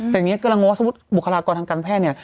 แต่อย่างนี้กำลังง้อสมมุติบุคลากรทางการแพทย์เนี่ย